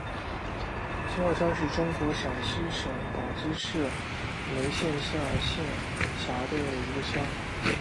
青化乡是中国陕西省宝鸡市眉县下辖的一个乡。